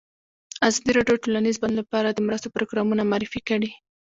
ازادي راډیو د ټولنیز بدلون لپاره د مرستو پروګرامونه معرفي کړي.